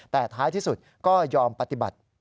แต่ท้ายที่สุดก็ยอมปฏิบัติ